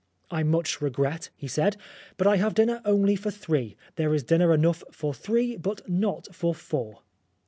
" I much regret," he said, " but I have dinner only for three. There is dinner enough for three, but not for four."